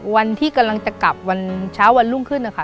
วันที่กำลังจะกลับวันเช้าวันรุ่งขึ้นนะคะ